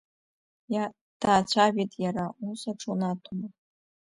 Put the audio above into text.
Даацәажәеит иара, ус аҽунаҭома?!